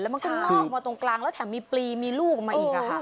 มันก็งอกมาตรงกลางแล้วแถมมีปลีมีลูกออกมาอีก